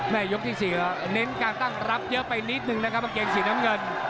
ยกที่๔เน้นการตั้งรับเยอะไปนิดนึงนะครับกางเกงสีน้ำเงิน